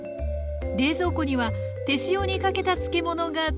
冷蔵庫には手塩にかけた漬物がずらり。